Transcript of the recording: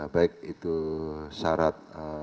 baik itu syarat